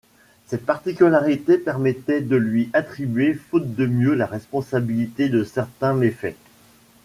Cette particularité permettait de lui attribuer faute de mieux la responsabilité de certains méfaits.